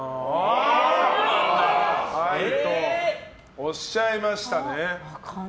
はいとおっしゃいましたね。